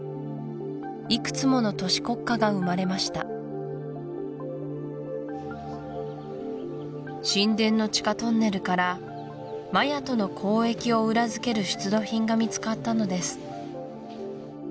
いくつもの都市国家が生まれました神殿の地下トンネルからマヤとの交易を裏付ける出土品が見つかったのです